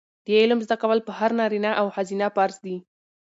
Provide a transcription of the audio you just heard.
د علم زده کول په هر نارینه او ښځینه فرض دي.